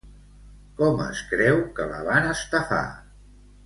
Com és que creu que la van estafar?